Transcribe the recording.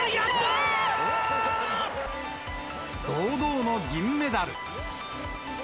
堂々の銀メダル。